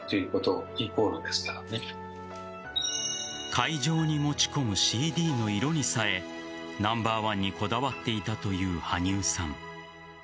会場に持ち込むＣＤの色にさえナンバーワンにこだわっていたという羽生さん